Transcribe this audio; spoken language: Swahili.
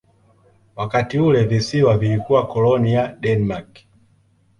Wakati ule visiwa vilikuwa koloni ya Denmark.